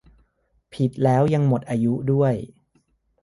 ผิดแล้วยังหมดอายุด้วย